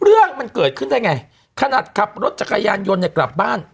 เรื่องมันเกิดขึ้นได้ไงขนาดขับรถจักรยานยนต์เนี่ยกลับบ้าน